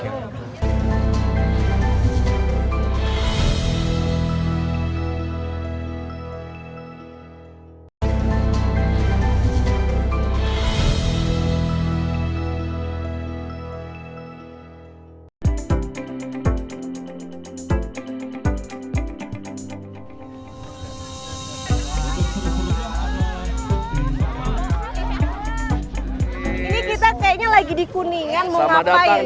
jadi kita kayaknya lagi di kuningan mau ngapain